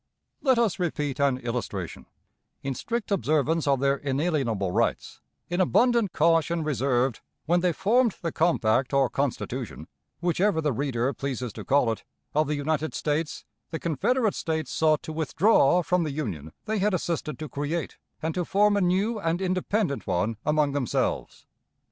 Let us repeat an illustration: In strict observance of their inalienable rights, in abundant caution reserved, when they formed the compact or Constitution whichever the reader pleases to call it of the United States, the Confederate States sought to withdraw from the Union they had assisted to create, and to form a new and independent one among themselves.